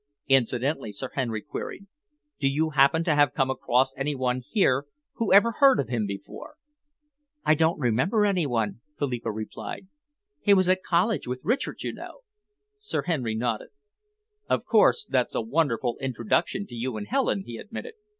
"Incidentally," Sir Henry queried, "do you happen to have come across any one here who ever heard of him before?" "I don't remember any one," Philippa replied. "He was at college with Richard, you know." Sir Henry nodded. "Of course, that's a wonderful introduction to you and Helen," he admitted.